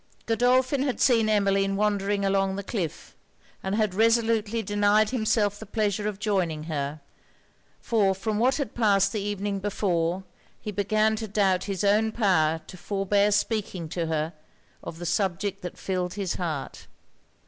Godolphin had seen Emmeline wandering along the cliff, and had resolutely denied himself the pleasure of joining her; for from what had passed the evening before, he began to doubt his own power to forbear speaking to her of the subject that filled his heart.